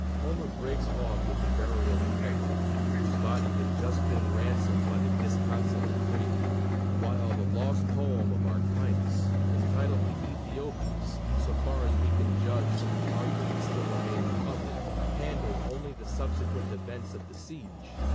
Homer breaks off with the burial of Hector, whose body has just been ransomed by the disconsolate Priam; while the lost poem of Arctinus, entitled the Æthiopis, so far as we can judge from the argument still remaining of it, handled only the subsequent events of the siege.